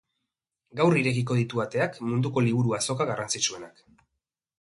Gaur irekiko ditu ateak munduko liburu azoka garrantzitsuenak.